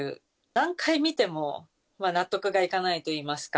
何回見ても、納得がいかないといいますか。